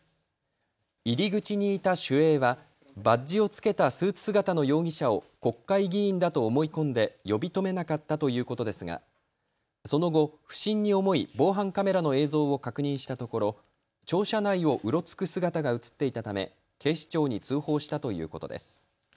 入り口にいた守衛はバッジを着けたスーツ姿の容疑者を国会議員だと思い込んで呼び止めなかったということですがその後、不審に思い防犯カメラの映像を確認したところ庁舎内をうろつく姿が映っていたため警視庁に通報したということです。